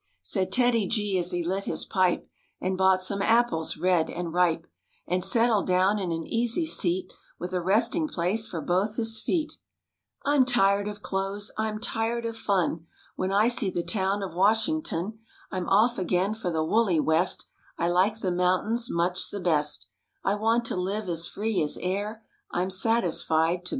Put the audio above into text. V#V. Said TEDDY G, as he lit his pipe, And bought some apples red and ripe, And settled down in an easy seat With a resting place for both his feet, "I'm tired of clothes; I'm tired of fun; When I see the town of Washington I'm off again for the woolly West; I like the mountains much the best; I want to live as free sis air; I'm satisfied to be a bear."